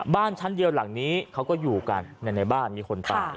บ้านชั้นเดียวหลังนี้เขาก็อยู่กันในบ้านมีคนตาย